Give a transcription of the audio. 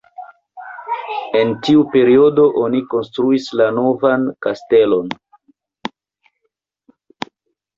En tiu periodo oni konstruis la novan kastelon.